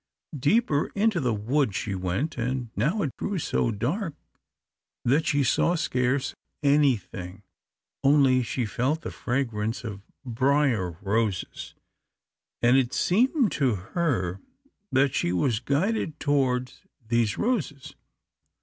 Deeper into the wood she went, and now it grew so dark that she saw scarce anything; only she felt the fragrance of briar roses, and it seemed to her that she was guided towards these roses.